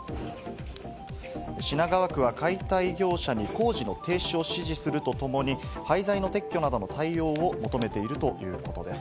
品川区は解体業者に工事の停止を指示するとともに、廃材の撤去などの対応を求めているということです。